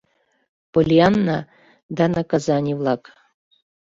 Поллианна да наказаний-влак